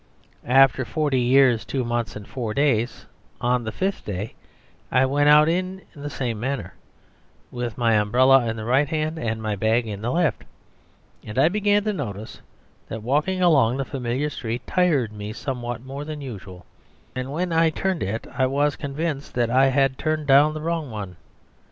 After forty years two months and four days, on the fifth day I went out in the same manner, with my umbrella in the right hand and my bag in the left, and I began to notice that walking along the familiar street tired me somewhat more than usual; and when I turned it I was convinced that I had turned down the wrong one.